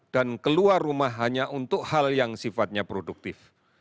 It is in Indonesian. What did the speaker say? dan keluar rumah hanya untuk hal yang sifatnya produktif